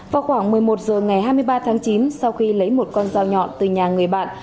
vào khoảng một mươi một h ngày hai mươi ba tháng chín sau khi lấy một con dao nhọn từ nhà người bạn